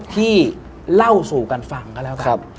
ที่เล่าสู่กันฟังก็แล้วกัน